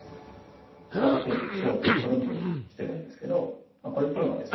こうやってすごいこうぷるんぷるんしてるんですけどこれっていうのはですね